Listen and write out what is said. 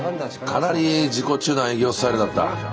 かなり自己中な営業スタイルだった。